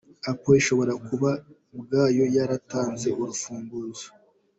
Apple ishobora kuba ubwayo yaratanze urufunguzo.